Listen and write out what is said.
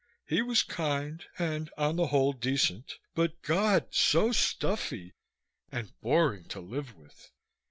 He was kind, and on the whole, decent, but God! so stuffy and boring to live with.